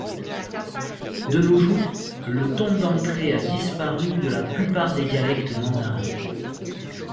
De nos jours, le ton d'entrée a disparu de la plupart des dialectes mandarins.